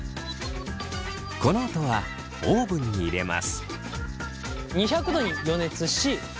このあとはオーブンに入れます。